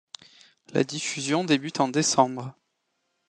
La diffusion débute en décembre.